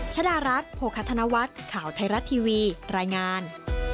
ชดารัฐโภคธนวัฒน์ข่าวไทยรัฐทีวีรายงาน